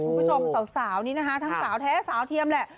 คุณผู้ชมสาวนี้นะคะทั้งสาวแท้สาวเทียมแหละ